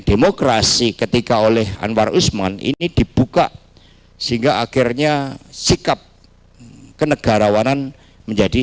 demokrasi ketika oleh anwar usman ini dibuka sehingga akhirnya sikap kenegarawanan menjadi